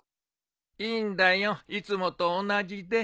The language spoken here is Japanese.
いいんだよいつもと同じで。